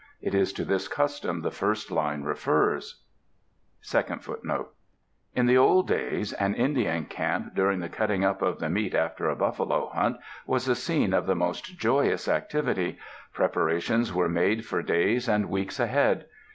It is to this custom the first line refers." [F] "In the old days an Indian camp during the cutting up of the meat after a buffalo hunt was a scene of the most joyous activity.... Preparations were made for days and weeks ahead.